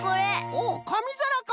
おおかみざらか。